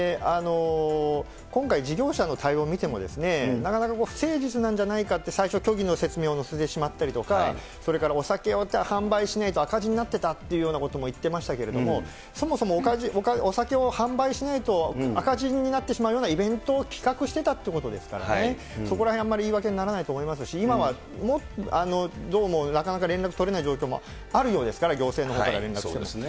今回、事業者の対応を見ても、なかなか不誠実なんじゃないかと最初、虚偽の説明をしてしまったりとか、それからお酒を販売しないと赤字になってたというようなことも言ってましたけれども、そもそもお酒を販売しないと赤字になってしまうようなイベントを企画してたってことですからね、そこらへん、あんまり言い訳にならないと思いますし、今はどうもなかなか連絡取れない状況もあるようですから、行政のほうから連絡しても。